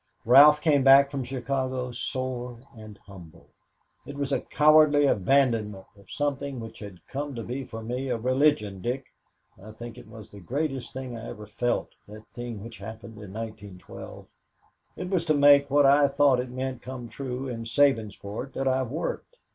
Ralph came back from Chicago sore and humble. "It was a cowardly abandonment of something which had come to be for me a religion, Dick. I think it was the greatest thing I ever felt that thing which happened in 1912. It was to make, what I thought it meant come true, in Sabinsport that I've worked.